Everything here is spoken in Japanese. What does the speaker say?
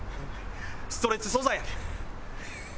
ストレッチ素材やねん。